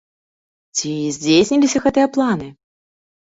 Ці здзейсніліся гэтыя планы?